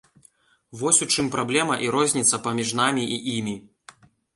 Вось у чым праблема і розніца паміж намі і імі.